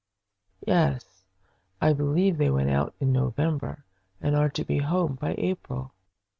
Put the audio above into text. "Yes. I believe they went out in November and are to be home by April."